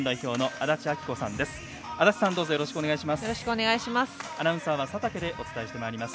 安達さん、どうぞよろしくお願いします。